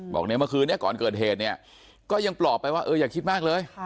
บอกเนี่ยเมื่อคืนนี้ก่อนเกิดเหตุเนี่ยก็ยังปลอบไปว่าเอออย่าคิดมากเลย